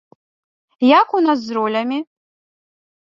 Як у нас з ролямі?